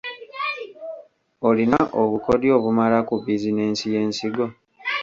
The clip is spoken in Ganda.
Olina obukodyo obumala ku bizinensi y’ensigo?